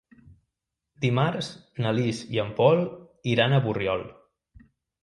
Dimarts na Lis i en Pol iran a Borriol.